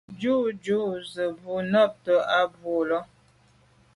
Jù jujù ze bo nabte à bwô là.